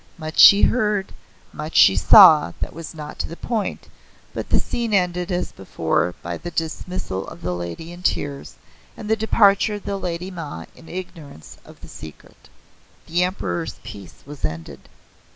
Much she heard, much she saw that was not to the point, but the scene ended as before by the dismissal of the lady in tears, and the departure of the Lady Ma in ignorance of the secret. The Emperor's peace was ended.